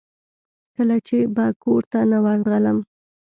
کله چې به کورته نه ورغلم.